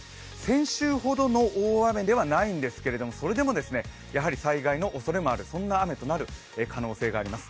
先週ほどの大雨ではないんですけども、それでもやはり災害のおそれもある、そんな雨となる可能性があります。